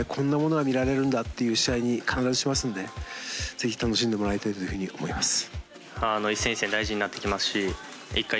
ぜひ楽しんでもらいたいというふうに思います。